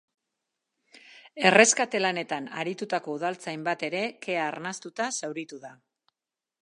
Erreskate lanetan aritutako udaltzain bat ere kea arnastuta zauritu da.